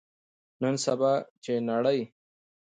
نن سبا، چې نړۍ